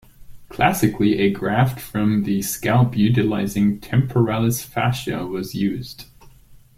Classically, a graft from the scalp utilizing temporalis fascia was used.